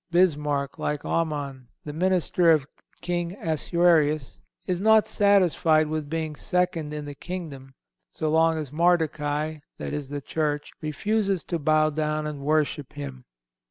Bismarck, like Aman, the minister of King Assuerus, is not satisfied with being second in the kingdom so long as Mardochai, that is the Church, refuses to bow down and worship him.